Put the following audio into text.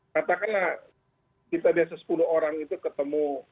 katakanlah kita biasa sepuluh orang itu ketemu